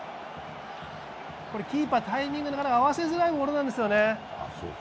キーパータイミングを合わせづらいものなんですね。